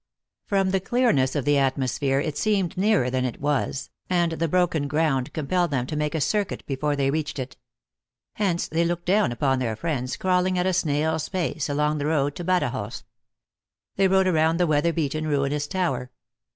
From the clearness of the atmosphere it seemed nearer than it was, and the broken ground com pelled them to make a circuit before they reached it. Hence they looked down upon their friends, crawling at a snail s pace along the road to Badajoz. They rode round the weather beaten, ruinous tower.